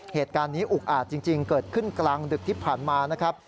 เหตุการณ์นี้อุกอาจจริงเกิดขึ้นกลางดึกที่ผ่านมานะครับ